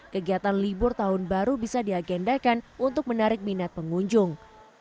kegiatan libur tahun baru bisa diagendakan untuk menarik minat pengunjung